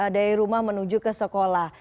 dari rumah menuju ke sekolah